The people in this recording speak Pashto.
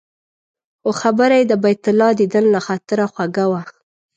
خو خبره یې د بیت الله دیدن له خاطره خوږه وه.